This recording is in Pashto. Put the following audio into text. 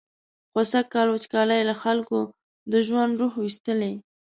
خو سږکال وچکالۍ له خلکو د ژوند روح ویستلی.